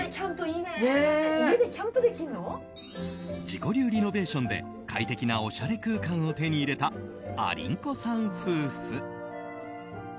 自己流リノベーションで快適なおしゃれ空間を手に入れたありんこさん夫婦。